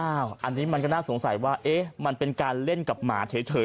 อันนี้มันก็น่าสงสัยว่ามันเป็นการเล่นกับหมาเฉย